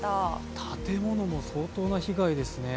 建物も相当な被害ですね。